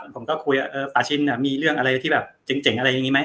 ผมก็คุยปาชินมีเรื่องอะไรที่แบบเจ๋งอะไรอย่างนี้ไหม